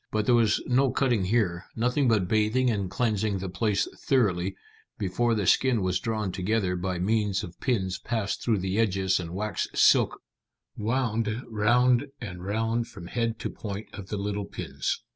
But there was no cutting here, nothing but bathing and cleansing the place thoroughly, before the skin was drawn together by means of pins passed through the edges and waxed silk wound round and round from head to point of the little pins.